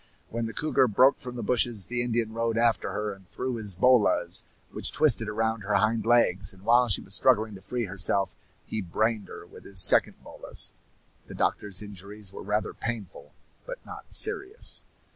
When the cougar broke from the bushes, the Indian rode after her, and threw his bolas, which twisted around her hind legs; and while she was struggling to free herself, he brained her with his second bolas. The doctor's injuries were rather painful, but not serious.